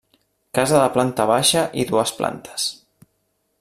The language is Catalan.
Casa de planta baixa i dues plantes.